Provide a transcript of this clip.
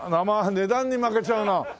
値段に負けちゃうな。